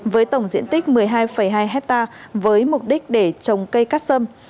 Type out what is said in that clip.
với tổng diện tích một mươi hai hai hectare với mục đích để trồng cây cát sâm